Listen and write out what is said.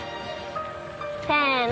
せの。